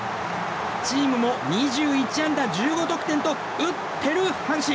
チームも２１安打１５得点と打っテル阪神。